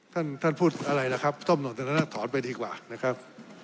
ท่านท่านพูดอะไรล่ะครับต้มหล่นตอนนั้นถอนไปดีกว่านะครับ